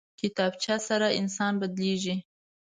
کتابچه سره انسان بدلېږي